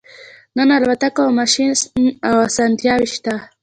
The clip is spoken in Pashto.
نن الوتکه او ماشین او اسانتیاوې شته